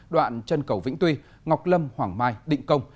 đoạn chân cầu vĩnh tuy ngọc lâm hoàng mai định công